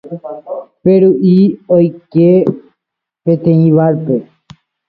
Peru'i oike peteĩ barpe.